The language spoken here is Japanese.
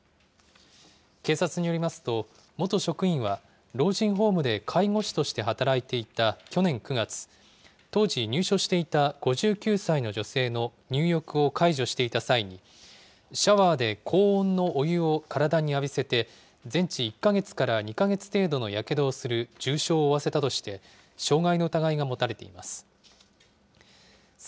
警察によりますと、元職員は老人ホームで介護士として働いていた去年９月、当時入所していた５９歳の女性の入浴を介助していた際に、シャワーで高温のお湯を体に浴びせて、全治１か月から２か月程度のやけどをする重傷を負わせたとして、傷害の疑いが持たれています。